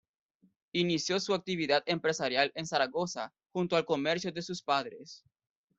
Inicio su actividad empresarial en Zaragoza junto al comercio de sus padres.